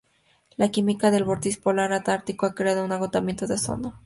La química del vórtice polar antártico ha creado un agotamiento de ozono severo.